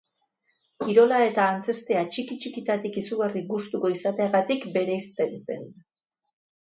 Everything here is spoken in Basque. Kirola eta antzeztea txiki-txikitatik izugarri gustuko izateagatik bereizten zen.